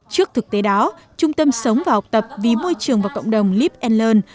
trước thực tế đó trung tâm sống và học tập vì môi trường và cộng đồng live and learn